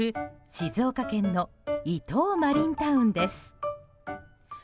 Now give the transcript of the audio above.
静岡県の伊東マリンタウンです。